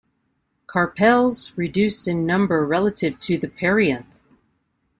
Carpels reduced in number relative to the perianth.